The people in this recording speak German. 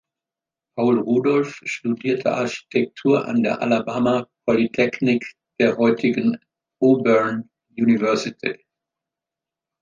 Paul Rudolph studierte Architektur an der "Alabama Polytechnic", der heutigen Auburn University.